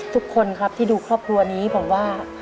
ทุกคนครับที่ดูครอบครัวนี้ผมว่า